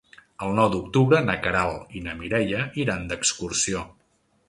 El nou d'octubre na Queralt i na Mireia iran d'excursió.